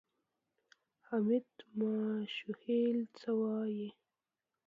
حمید ماشوخېل څه وایي؟